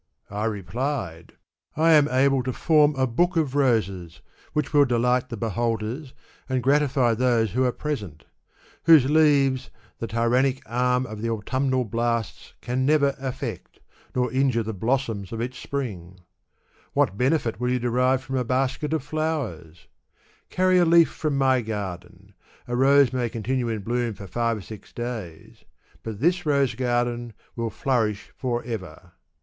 * I replied t * I am able to form ; iSir Gore Ouscley m his Bi&gra^kU^ Nalu^ e/P4riian Pseh, Digitized by Google book of roses, which will delight the beholders, and gratify those who are present ; whose leaves the tyrannic arm of the autumnal blasts can never affect, nor injure the blossoms of its spring. What benefit will you derive from a basket of flowers ? Carry a leaf from my garden : a rose may continue in bloom for Ave or six days ; but this rose garden will flourish forever.